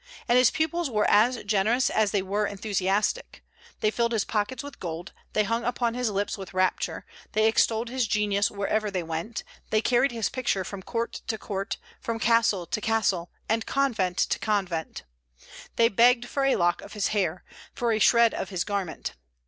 And his pupils were as generous as they were enthusiastic. They filled his pockets with gold; they hung upon his lips with rapture; they extolled his genius wherever they went; they carried his picture from court to court, from castle to castle, and convent to convent; they begged for a lock of his hair, for a shred of his garment.